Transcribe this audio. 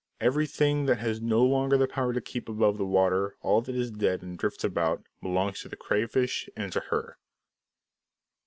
Everything that has no longer the power to keep above the water, all that is dead and drifts about, belongs to the crayfish and to her.